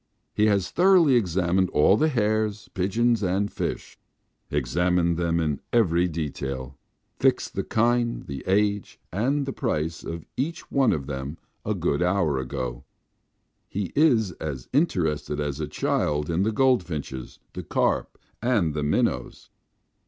He has thoroughly examined all the hares, pigeons, and fish; examined them in every detail, fixed the kind, the age, and the price of each one of them a good hour ago. He is as interested as a child in the goldfinches, the carp, and the minnows.